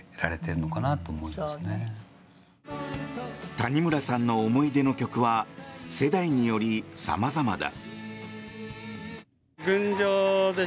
谷村さんの思い出の曲は世代により様々だ。